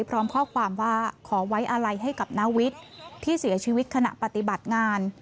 พร้อมข้อความว่าขอไว้อะไรให้กับนาวิทย์ที่เสียชีวิตขณะปฏิบัติงาน